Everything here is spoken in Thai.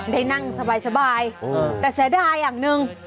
ได้นั่งสบายแต่เสียดายอย่างหนึ่ง